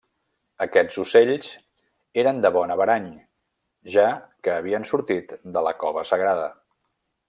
Aquests ocells eren de bon averany, ja que havien sortit de la cova sagrada.